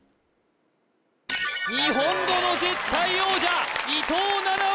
日本語の絶対王者伊藤七海